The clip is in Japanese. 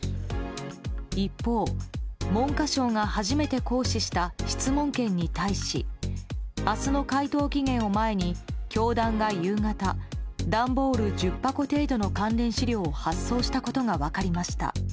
一方、文科省が初めて行使した質問権に対し明日の回答期限を前に教団が夕方段ボール１０箱程度の関連資料を発送したことが分かりました。